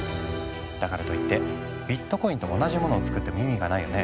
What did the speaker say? だからといってビットコインと同じものを作っても意味がないよね。